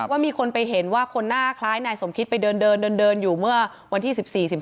ว่ามีคนไปเห็นว่าคนหน้าคล้ายนายสมคิตไปเดินเดินอยู่เมื่อวันที่๑๔๑๕